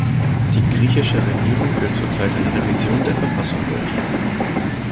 Die griechische Regierung führt zurzeit eine Revision der Verfassung durch.